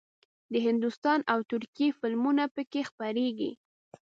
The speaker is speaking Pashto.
د هندوستان او ترکیې فلمونه پکې خپرېږي.